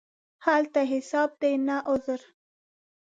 هلته حساب دی، نه عذر.